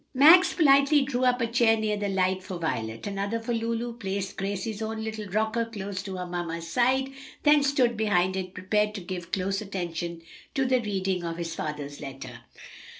Max politely drew up a chair near the light for Violet, another for Lulu, placed Gracie's own little rocker close to her mamma's side, then stood behind it prepared to give close attention to the reading of his father's letter.